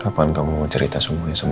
kapan kamu mau cerita semuanya sama nino